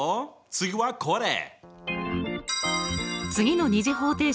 次はこれ。